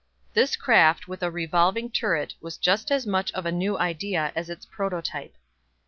This craft with a revolving turret was just as much of a new idea as its prototype.